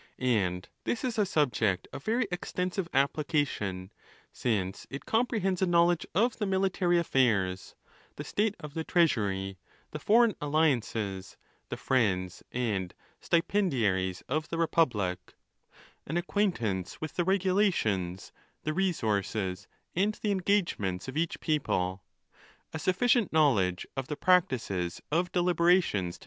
And this is a subject of very extensive application ; since it comprehends a knowledge of the military affairs, the state of the treasury, the foreign alliances, the friends and stipendiaries of the republic ; an acquaintance with the regulations, the resources and the engagements of each people ; a sufficient knowledge 480 ON THE LAWS. of the practices of deliberations to.